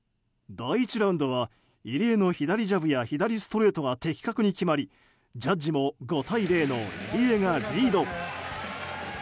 第１ラウンドは入江の左ジャブや左ストレートが的確に決まりジャッジも５対０の入江がリード。